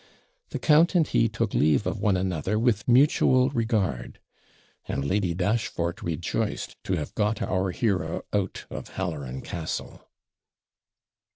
The count and he took leave of one another with mutual regard; and Lady Dashfort rejoiced to have got our hero out of Halloran Castle.